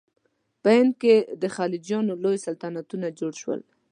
په هند کې د خلجیانو لوی سلطنتونه جوړ شول.